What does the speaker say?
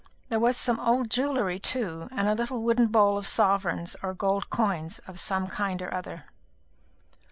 There was some old jewellery too, and a little wooden bowl of sovereigns or gold coins of some kind or other.